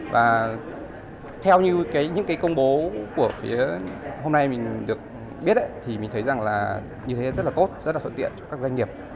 và theo những công bố của phía hôm nay mình được biết thì mình thấy rằng như thế rất là tốt rất là thuận tiện cho các doanh nghiệp